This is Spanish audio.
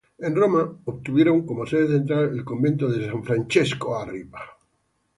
En Roma, obtuvieron como sede central el convento de San Francesco a Ripa.